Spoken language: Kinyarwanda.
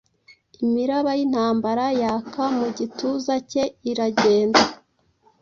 Imiraba yintambara yaka mu gituza cye iragenda